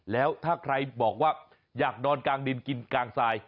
แล้วถ้าใครบอกว่าอยากนอนกลางดินกินกลางทราย